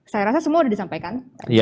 saya rasa semua sudah disampaikan